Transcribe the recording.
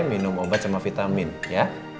minum obat sama vitamin ya